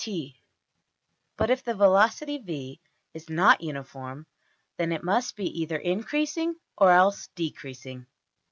\] But if the velocity~$v$ is not uniform, then it must be either increasing or else decreasing.